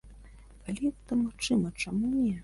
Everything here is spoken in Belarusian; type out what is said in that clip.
Калі гэта магчыма, чаму не?